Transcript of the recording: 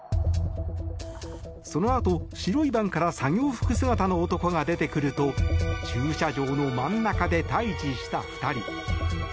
そのあと白いバンから作業服姿の男が出てくると駐車場の真ん中で対峙した２人。